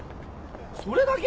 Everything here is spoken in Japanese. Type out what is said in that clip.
それだけ！？